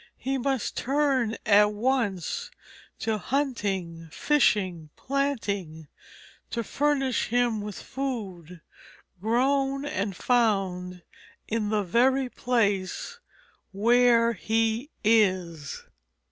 He must turn at once to hunting, fishing, planting, to furnish him with food grown and found in the very place where he is.